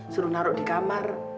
suruh naruh di kamar